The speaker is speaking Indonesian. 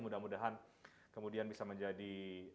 mudah mudahan kemudian bisa menjadi